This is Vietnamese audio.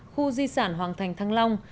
khu di sản hoàng thành thăng long